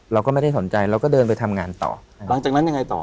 เราก็ไม่ได้สนใจเราก็เดินไปทำงานต่อหลังจากนั้นยังไงต่อ